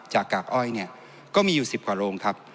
กากอ้อยเนี่ยก็มีอยู่๑๐กว่าโรงครับ